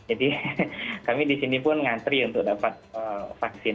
jadi kami di sini pun ngantri untuk dapat vaksin